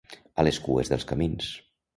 A les cues dels camins.